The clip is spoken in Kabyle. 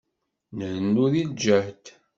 Nrennu di lǧehd.